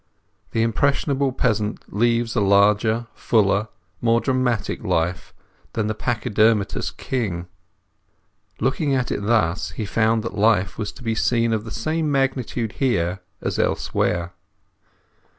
The impressionable peasant leads a larger, fuller, more dramatic life than the pachydermatous king. Looking at it thus, he found that life was to be seen of the same magnitude here as elsewhere.